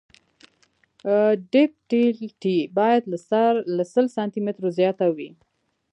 ډکټیلیټي باید له سل سانتي مترو زیاته وي